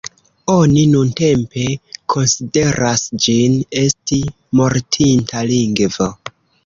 Oni nuntempe konsideras ĝin esti mortinta lingvo.